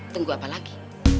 tunggu apa lagi